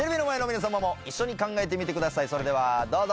それではどうぞ。